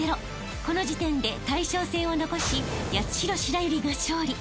［この時点で大将戦を残し八代白百合が勝利］